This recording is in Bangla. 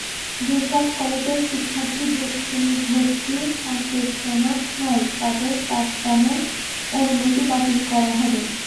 যেসব কলেজে শিক্ষার্থী ভর্তি সন্তোষজনক নয়, তাদের পাঠদানের অনুমতি বাতিল করা হবে।